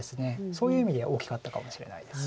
そういう意味では大きかったかもしれないです。